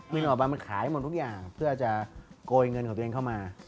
เงินออกไปมันขายหมดทุกอย่างเพื่อจะโกยเงินของตัวเองเข้ามา